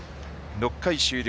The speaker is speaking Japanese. ６回終了。